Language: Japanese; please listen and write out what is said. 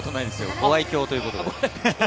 ご愛嬌ということで。